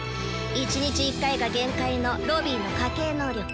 １日１回が限界のロビーの家系能力